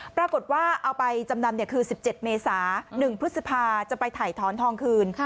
ปรากฏว่าเอาไปจำนำคือ๑๗เมษา๑พฤษภาจะไปถ่ายถอนทองคืน